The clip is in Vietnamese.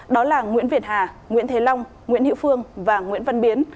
đó là nguyễn việt hà nguyễn thế long nguyễn hiệu phương và nguyễn văn biến